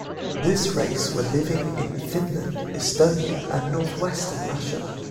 This race were living in Finland, Estonia and north-western Russia.